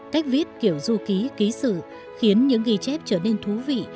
cách viết kiểu du ký ký sự khiến những ghi chép trở nên thú vị